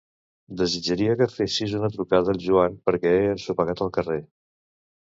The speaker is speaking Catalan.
Desitjaria que fessis una trucada al Joan perquè he ensopegat al carrer.